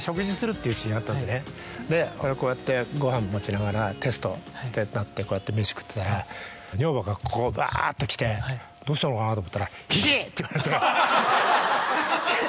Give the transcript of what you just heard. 俺こうやってごはん持ちながらテストってなってこうやって飯食ってたら女房がバっと来てどうしたのかなと思ったら。